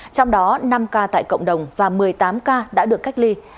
trong đó năm ca tại cộng đồng và một mươi tám ca đã được cách ly